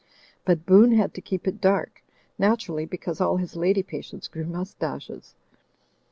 But Boone had to keep it dark; naturally, because all his lady patients grew mustaches.